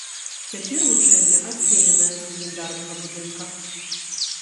Цяпер вучэльня адселеная з легендарнага будынка.